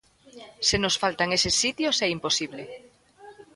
Se nos faltan eses sitios é imposible.